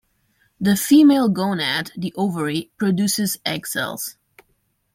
The female gonad, the ovary, produces egg cells.